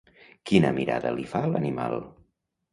Quina mirada li fa l'animal?